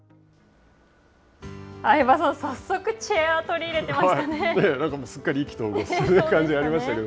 相葉さん、早速チェアーを取り入れていましたね。